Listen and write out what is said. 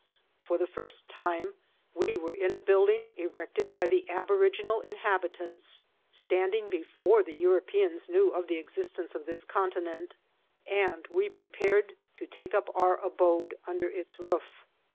For the first time we were in a building erected by the aboriginal inhabitants, standing before the Europeans knew of the existence of this continent, and we prepared to take up our abode under its roof.